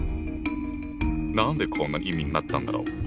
何でこんな意味になったんだろう？